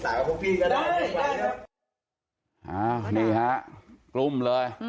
อ่ะนี่หะกรุมเลยตำบอกกรุมเลย